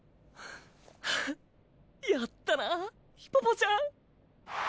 やったなヒポポちゃん。